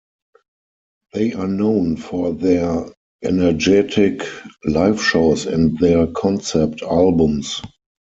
They are known for their energetic live shows and their concept albums.